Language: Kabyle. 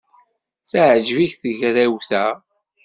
Teɛjeb-ik tegrawt-a?